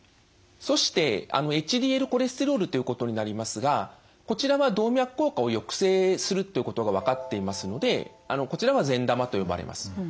そしてＨＤＬコレステロールということになりますがこちらは動脈硬化を抑制するということが分かっていますのでこちらは善玉と呼ばれます。